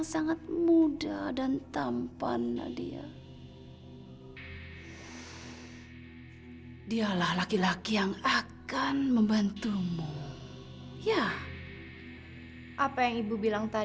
sampai jumpa di video selanjutnya